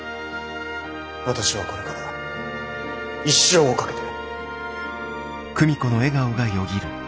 私はこれから一生をかけて。